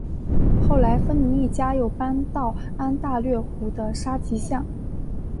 后来芬尼一家又搬到安大略湖的沙吉港。